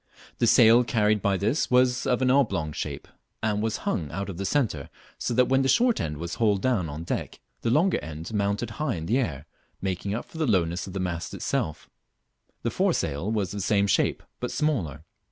The sail carried by this was of an oblong shape, and was hung out of the centre, so that when the short end was hauled down on deck the long end mounted high in the air, making up for the lowness of the mast itself. The foresail was of the same shape, but smaller.